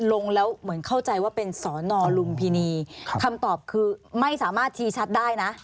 ลงแล้วเหมือนเข้าใจว่าเป็นสอนอลุมพินีคำตอบคือไม่สามารถชี้ชัดได้นะ